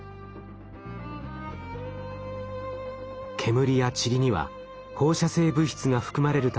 煙やちりには放射性物質が含まれるため